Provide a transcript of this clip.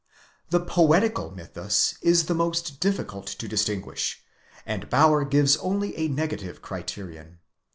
The Poetical mythus is the most difficult to distinguish, and Bauer gives only a negative criterion.